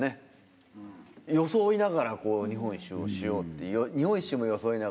装いながら日本一周をしようっていう。